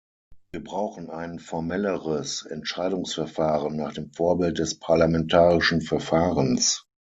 Wir brauchen ein formelleres Entscheidungsverfahren nach dem Vorbild des parlamentarischen Verfahrens.